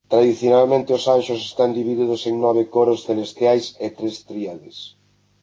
Tradicionalmente os anxos están divididos en nove coros celestiais e tres tríades.